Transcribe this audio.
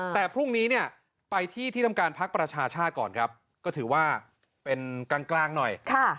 แต่พรุ่งนี้เนี่ยไปที่ที่ทำการพักประชาชาติก่อนครับก็ถือว่าเป็นกลางหน่อย